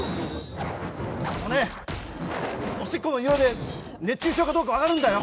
もうね、おしっこのにおいで熱中症かどうか分かるんだよ。